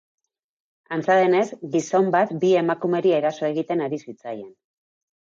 Antza denez, gizon bat bi emakumeri eraso egiten ari zitzaien.